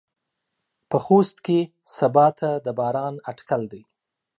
په خوست کې سباته د باران اټکل دى.